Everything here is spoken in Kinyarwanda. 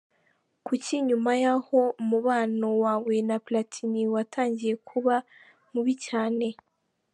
Kuki nyuma y’aho umubano wawe na Platini watangiye kuba mubi cyane?.